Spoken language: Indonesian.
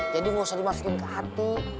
jadi gak usah dimasukin ke hati